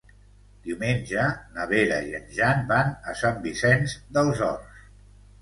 Diumenge na Vera i en Jan van a Sant Vicenç dels Horts.